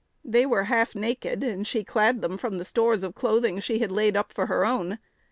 They were half naked, and she clad them from the stores of clothing she had laid up for her own.